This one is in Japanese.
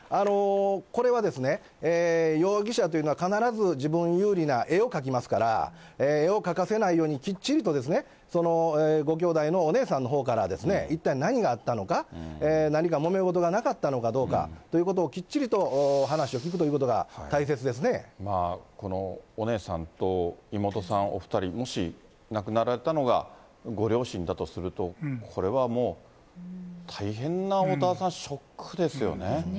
これは、容疑者というのは、必ず自分に有利な絵を描きますから、絵を描かせないように、きっちりとそのご姉妹のお姉さんのほうから一体何があったのか、何かもめ事がなかったのかどうかということをきっちりと話を聴くこのお姉さんと妹さん、お２人、もし亡くなられたのがご両親だとすると、これはもう大変な、そうですね。